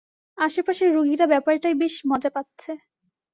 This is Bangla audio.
আশেপাশের রুগীরা ব্যাপারটায় বেশ মজা পাচ্ছে।